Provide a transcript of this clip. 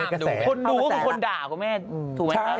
คนดูก็คือคนด่ากับแม่ถูกไหมครับ